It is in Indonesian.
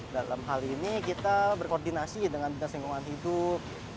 dalam hal ini kita berkoordinasi dengan dinas lingkungan hidup